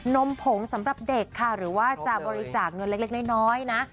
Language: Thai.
นมผงสำหรับเด็กค่ะหรือว่าจะบริจาคเงินเล็กน้อยนะ